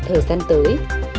thời gian tới